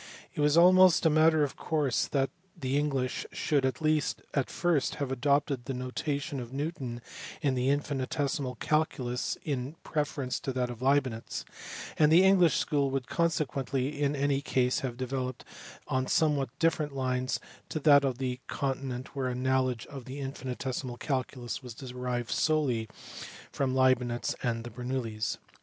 It was almost a matter of course that the English should at first have adopted the notation of Newton in the infinitesimal calculus in pre ference to that of Leibnitz, and the English school would consequently in any case have developed on somewhat different lines to that on the continent where a knowledge of the in finitesimal calculus was derived solely from Leibnitz and the Bernoullis.